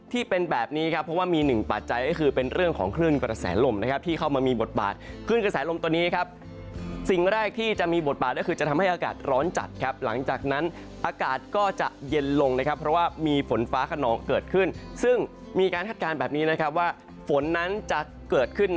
ที่เป็นแบบนี้ครับเพราะว่ามีหนึ่งปัจจัยก็คือเป็นเรื่องของคลื่นกระแสลมนะครับที่เข้ามามีบทบาทคลื่นกระแสลมตัวนี้ครับสิ่งแรกที่จะมีบทบาทก็คือจะทำให้อากาศร้อนจัดครับหลังจากนั้นอากาศก็จะเย็นลงนะครับเพราะว่ามีฝนฟ้าขนองเกิดขึ้นซึ่งมีการคาดการณ์แบบนี้นะครับว่าฝนนั้นจะเกิดขึ้น